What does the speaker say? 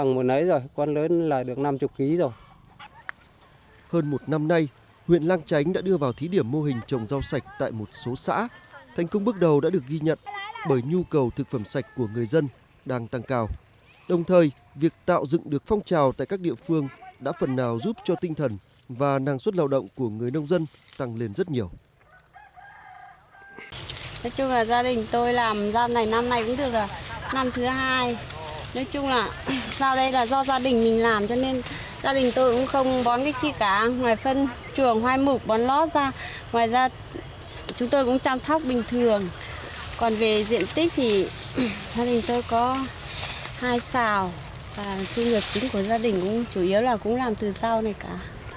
ngoài phân trường còn về diện tích thì gia đình tôi có hai xào và thu nhập chính của gia đình cũng chủ yếu là cũng làm từ rau này cả